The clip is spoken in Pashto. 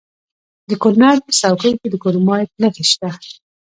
د کونړ په څوکۍ کې د کرومایټ نښې شته.